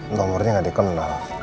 nomornya gak dikenal